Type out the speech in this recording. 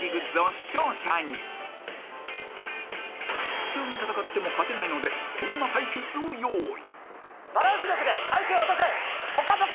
［普通に戦っても勝てないのでこんな対決を用意］